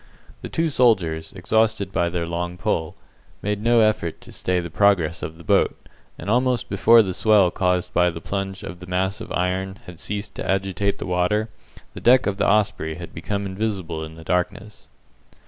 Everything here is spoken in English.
The two soldiers, exhausted by their long pull, made no effort to stay the progress of the boat, and almost before the swell caused by the plunge of the mass of iron had ceased to agitate the water, the deck of the Osprey had become invisible in the darkness.